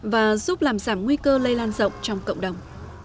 và giúp làm giảm nguy cơ lây lan rộng trong cộng đồng